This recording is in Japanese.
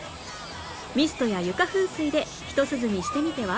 ミストや床噴水でひと涼みしてみては？